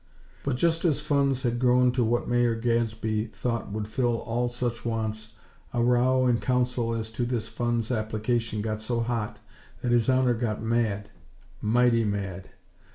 But, just as funds had grown to what Mayor Gadsby thought would fill all such wants, a row in Council as to this fund's application got so hot that "His Honor" got mad; _mighty mad!!